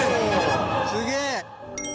すげえ！